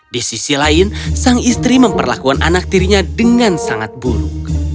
di sisi lain sang istri memperlakukan anak tirinya dengan sangat buruk